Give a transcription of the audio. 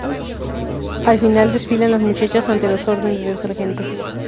Al final desfilan las muchachas ante las órdenes del sargento.